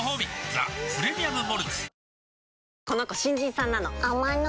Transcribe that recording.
「ザ・プレミアム・モルツ」